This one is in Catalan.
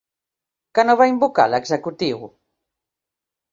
Què no va invocar l'executiu?